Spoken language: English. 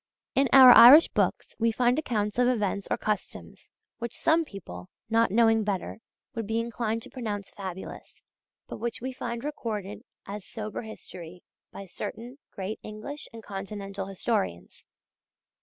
In our Irish books we find accounts of events or customs, which some people not knowing better would be inclined to pronounce fabulous, but which we find recorded as sober history by certain great English and Continental historians.